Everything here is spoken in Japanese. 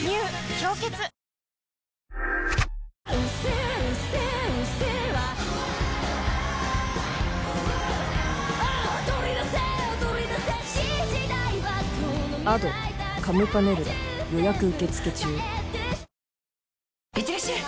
「氷結」いってらっしゃい！